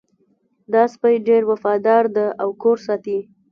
دا سپی ډېر وفادار ده او کور ساتي